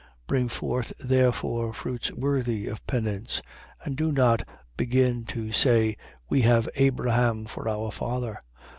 3:8. Bring forth therefore fruits worthy of penance: and do not begin to say, We have Abraham for our father.